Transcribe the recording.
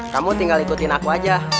kamu tinggal ikutin aku aja